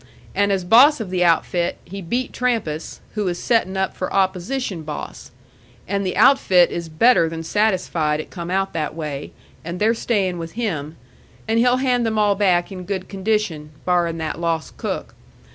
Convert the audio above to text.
And as boss of the outfit he beat Trampas, who was settin' up for opposition boss. And the outfit is better than satisfied it come out that way, and they're stayin' with him; and he'll hand them all back in good condition, barrin' that lost cook.